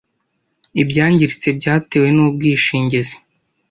Ibyangiritse byatewe n'ubwishingizi.